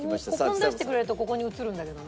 ここに出してくれるとここに映るんだけど。